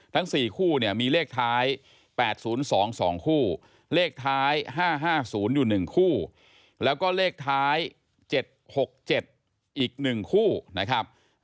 ทั้ง๔คู่เนี่ยมีเลขท้าย๘๐๒๒คู่เลขท้าย๕๕๐อยู่๑คู่แล้วก็เลขท้าย๗๖๗อีก๑คู่นะครับ